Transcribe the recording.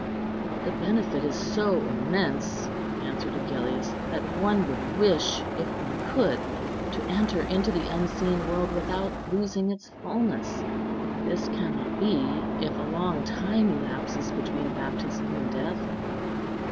"The benefit is so immense," answered Agellius, "that one would wish, if one could, to enter into the unseen world without losing its fulness. This cannot be, if a long time elapses between baptism and death."